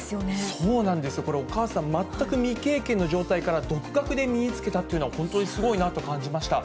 そうなんですよ、これ、お母さん全く未経験の状態から、独学で身につけたっていうのは本当にすごいなと感じました。